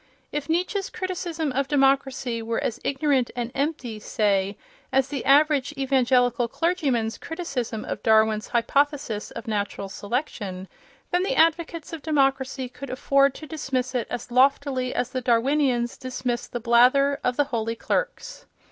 If Nietzsche's criticism of democracy were as ignorant and empty, say, as the average evangelical clergyman's criticism of Darwin's hypothesis of natural selection, then the advocates of democracy could afford to dismiss it as loftily as the Darwinians dismiss the blather of the holy clerks.